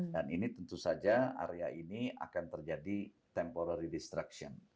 dan ini tentu saja area ini akan terjadi temporary destruction